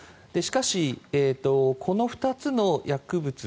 しかし、この２つの薬物